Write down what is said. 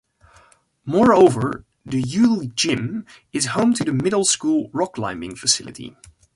Moreover, the Yuill gym is home to the Middle School rockclimbing facility.